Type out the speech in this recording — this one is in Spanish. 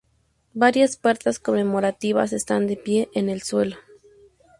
Varias puertas conmemorativas están de pie en el suelo.